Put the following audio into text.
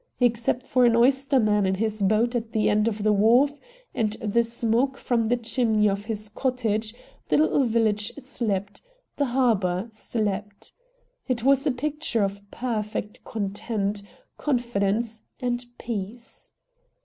Except for an oyster man in his boat at the end of the wharf, and the smoke from the chimney of his cottage, the little village slept, the harbor slept. It was a picture of perfect content, confidence, and peace.